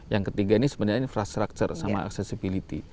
yang ketiga ini sebenarnya infrastruktur sama accessibility